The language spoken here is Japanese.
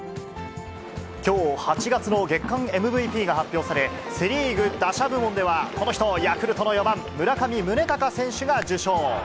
きょう、８月の月間ＭＶＰが発表され、セ・リーグ打者部門ではこの人、ヤクルトの４番村上宗隆選手が受賞。